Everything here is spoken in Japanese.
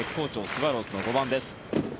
スワローズの５番です。